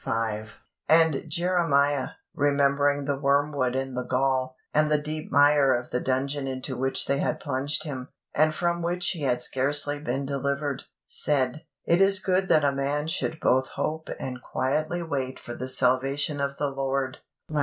And Jeremiah, remembering the wormwood and the gall, and the deep mire of the dungeon into which they had plunged him, and from which he had scarcely been delivered, said: "It is good that a man should both hope and quietly wait for the salvation of the Lord" (Lam.